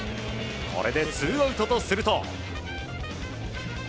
これでツーアウトとすると。